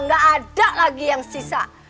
nggak ada lagi yang sisa